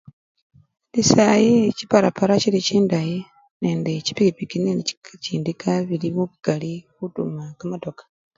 Indi sayi chiparapara chili chindayi nende chipikipiki nende chika! chindika chili mubukali khutuma kamatoka.